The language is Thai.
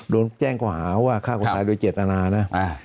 โดนแจ้งก่อหาว่าฆ่าคนตายโดยเจตนานะ